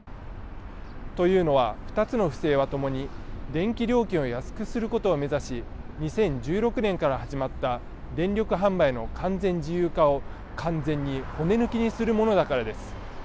というのは、二つの不正はともに電気料金を安くすることを目指し、２０１６年から始まった電力販売の完全自由化を完全に骨抜きにするものだからです。